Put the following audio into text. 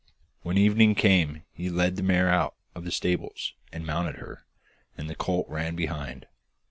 When evening came he led the mare out of the stable and mounted her, and the colt ran behind.